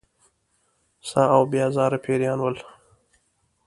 ساده او بې آزاره پیران ول.